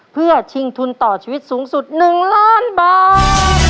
เพื่อชิงทุนต่อชีวิตสูงสุด๑ล้านบาท